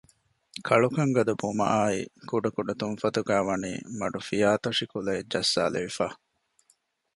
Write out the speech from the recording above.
ކަޅުކަން ގަދަ ބުމައާއި ކުޑަ ކުޑަ ތުންފަތުގައި ވަނީ މަޑު ފިޔާތޮށި ކުލައެއް ޖައްސާލެވިފަ